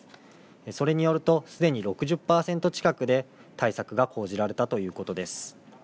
それによるとすでに６０％近くで対策が講じられたということです。